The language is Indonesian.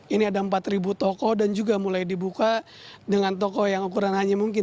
ini ada empat ribu toko dan juga mulai dibuka dengan toko yang ukuran hanya mungkin delapan x empat